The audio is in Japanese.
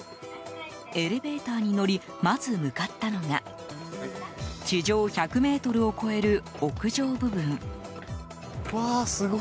エレベーターに乗りまず、向かったのが地上１００ｍを超える屋上部分。